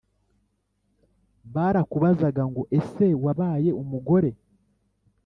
barakubazaga ngo ‘ese wabaye umugore?’